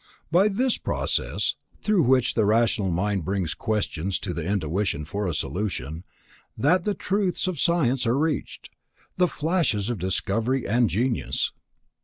It is by this process, through which the rational mind brings questions to the intuition for solution, that the truths of science are reached, the flashes of discovery and genius.